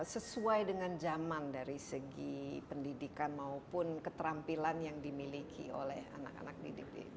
sesuai dengan zaman dari segi pendidikan maupun keterampilan yang dimiliki oleh anak anak didik ini